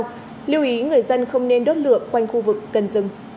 và lưu ý người dân không nên đốt lượm quanh khu vực cần rừng